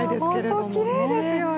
ホントきれいですよね。